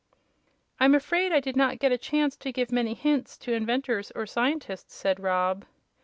"I'm afraid I did not get a chance to give many hints to inventors or scientists," said Rob.